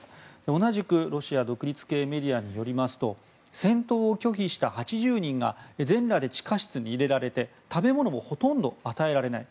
同じくロシア独立系のメディアによりますと戦闘を拒否した８０人が全裸で地下室に入れられて食べ物もほとんど与えられない。